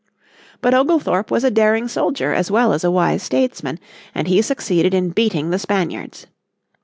But Oglethorpe was a daring soldier as well as a wise statesman, and he succeeded in beating the Spaniards.